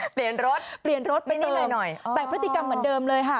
เปลี่ยนรถเปลี่ยนรถไปเติมแบ่งพฤติกรรมเหมือนเดิมเลยค่ะ